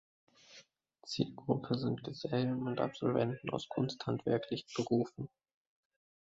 Zielgruppe sind Gesellen und Absolventen aus kunsthandwerklichen Berufen.